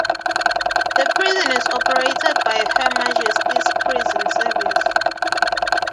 The prison is operated by Her Majesty's Prison Service.